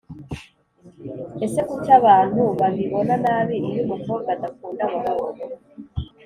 Ese kuki abantu babibona nabi iyo umukobwa adakunda abahungu